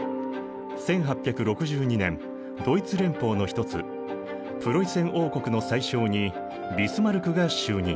１８６２年ドイツ連邦の一つプロイセン王国の宰相にビスマルクが就任。